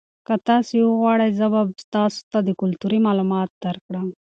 که تاسي وغواړئ زه به تاسو ته کلتوري معلومات درکړم.